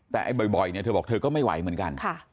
แต่ไอ้บ่อยเนี่ยเธอบอกเธอก็ไม่ไหวเหมือนกัน